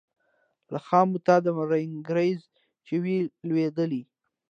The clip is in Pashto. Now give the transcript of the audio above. لکه خُم ته د رنګرېز چي وي لوېدلی